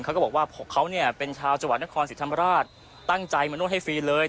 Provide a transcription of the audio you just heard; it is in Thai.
เขาก็บอกว่าเขาเนี่ยเป็นชาวจังหวัดนครศรีธรรมราชตั้งใจมานวดให้ฟรีเลย